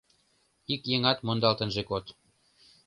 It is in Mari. Ик еҥат мондалт ынже код.